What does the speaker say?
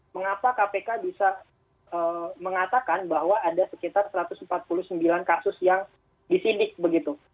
mengapa kpk bisa mengatakan bahwa ada sekitar satu ratus empat puluh sembilan kasus yang disidik begitu